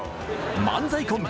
漫才コンビ